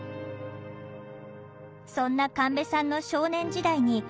そんな神戸さんの少年時代に番組のご意見